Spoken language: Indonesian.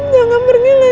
nanti kita berjalan